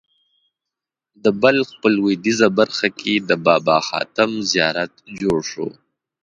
د بلخ په لوېدیځه برخه کې د بابا حاتم زیارت جوړ شو.